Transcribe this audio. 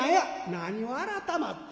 「何を改まって。